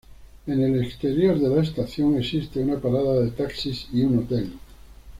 En el exterior de la estación existe una parada de taxis y un hotel.